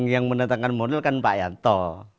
yang menetapkan modal kan pak yanto